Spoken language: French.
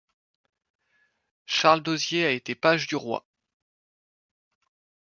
Charles d'Hozier a été page du roi.